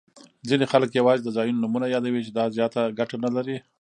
ځیني خلګ یوازي د ځایونو نومونه یادوي، چي دا زیاته ګټه نلري.